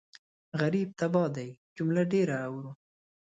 غريب تباه دی جمله ډېره اورو